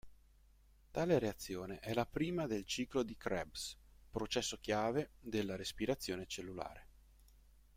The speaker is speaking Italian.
Tale reazione è la prima del ciclo di Krebs, processo chiave della respirazione cellulare.